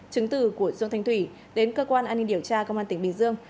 chứng từ của dương thanh thủy đến cơ quan an ninh điều tra công an tỉnh bình dương